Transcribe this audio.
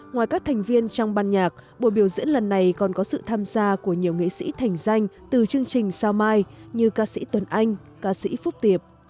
ngoài các thành viên trong ban nhạc buổi biểu diễn lần này còn có sự tham gia của nhiều nghệ sĩ thành danh từ chương trình sao mai như ca sĩ tuấn anh ca sĩ phúc tiệp